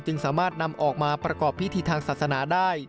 สามารถนำออกมาประกอบพิธีทางศาสนาได้